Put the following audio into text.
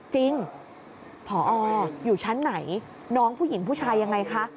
ผออยู่ชั้นไหนน้องผู้หญิงผู้ชายยังไงคะ